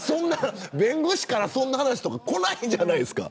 弁護士から、そんな話こないじゃないですか。